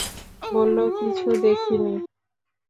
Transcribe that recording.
বললো কিছু দেখেনি।